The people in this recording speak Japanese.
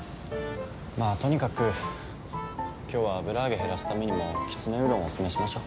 まあとにかく今日は油揚げ減らすためにもきつねうどんをお勧めしましょう。